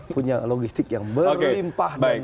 punya logistik yang berlimpah dan